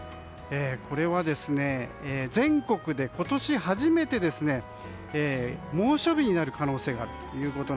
これは全国で今年初めて猛暑日になる可能性があると。